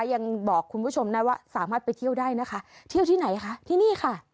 ยังบอกคุณผู้ชมได้ว่าสามารถไปเที่ยวได้นะคะเที่ยวที่ไหนคะที่นี่ค่ะ